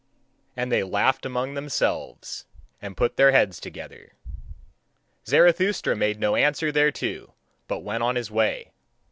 And they laughed among themselves, and put their heads together. Zarathustra made no answer thereto, but went on his way.